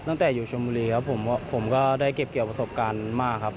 ตั้งแต่อยู่ชมบุรีครับผมผมก็ได้เก็บเกี่ยวประสบการณ์มากครับ